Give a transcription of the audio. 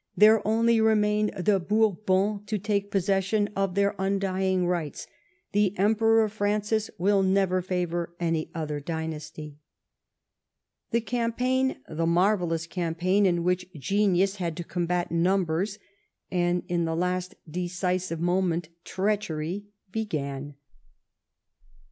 .. there only remain the Bourbons to take posscssioii of their unilying rights ... The Emperor Francis will never favour any other dynasty." The campaign — the marvellous campaign in which Genius had to combat numbers, and, in the last decisive moment, treachery — began.